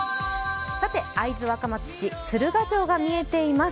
会津若松市、鶴ヶ城が見えています。